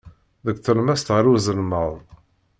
Deg tlemmast ɣer uzelmaḍ.